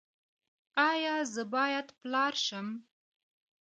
ایا زه باید پلار شم؟